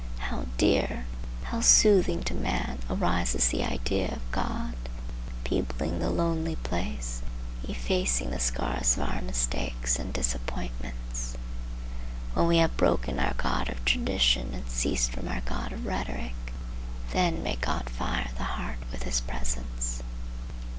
How dear, how soothing to man, arises the idea of God, peopling the lonely place, effacing the scars of our mistakes and disappointments! When we have broken our god of tradition and ceased from our god of rhetoric, then may God fire the heart with his presence.